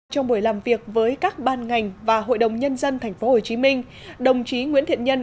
trong buổi làm việc với các ban ngành và hội đồng nhân dân tp hcm đồng chí nguyễn thiện nhân